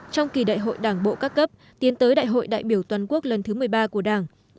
trong kỳ đại hội đảng bộ các cấp tiến tới đại hội đại biểu toàn quốc lần thứ một mươi ba của đảng